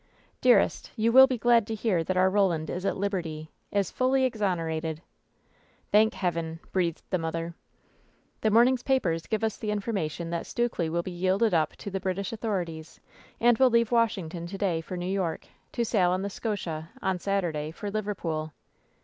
"Dearest, you will be glad to hear that our Boland is at liberty ; is fully exonerated." "Thank Heaven I" breathed the mother. "The morning's papers give us the information that Stukely will be yielded up to the British authorities and will leave Washington to day for New York, to sail on the Scotia, on Saturday, for Liverpool."